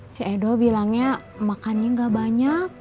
cedo bilangnya makannya gak banyak